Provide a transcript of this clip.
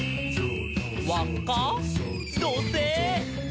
「わっか？どせい！」